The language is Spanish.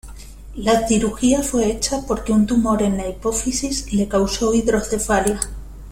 La cirugía fue hecha porque un tumor en la hipófisis le causó hidrocefalia.